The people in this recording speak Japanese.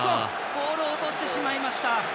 ボールを落としてしまった。